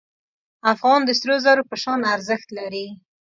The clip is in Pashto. افغان د سرو زرو په شان ارزښت لري.